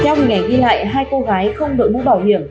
theo hình ảnh ghi lại hai cô gái không đợi bút bảo hiểm